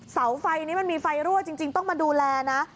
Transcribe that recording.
เสาไฟนี้มันมีไฟรั่วจริงต้องมาดูแลนะ